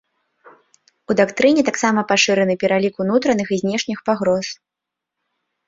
У дактрыне таксама пашыраны пералік унутраных і знешніх пагроз.